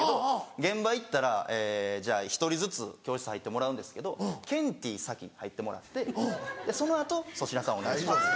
現場行ったら「じゃあ１人ずつ教室入ってもらうんですけどケンティー先に入ってもらってその後粗品さんお願いします」。